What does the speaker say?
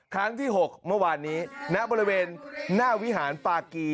ครั้งที่๖เมื่อวานนี้ณบริเวณหน้าวิหารปากี